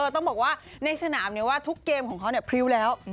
ต้องบอกว่าในสนามว่าทุกเกมของเขาพริ้วแล้ว